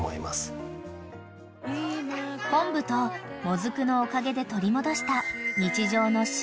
［こんぶともずくのおかげで取り戻した］